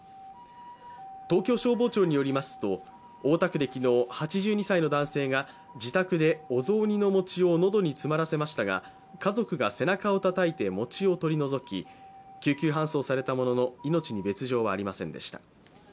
東京消防庁によりますと大田区で昨日、８２歳の男性が自宅でお雑煮の餅を喉に詰まらせましたが、家族が背中をたたいて餅を取り除き救急搬送されたものの、命に別状はありませんでした。